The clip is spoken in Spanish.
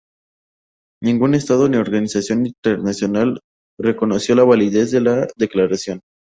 Ningún estado ni organismo internacional reconoció la validez de la declaración.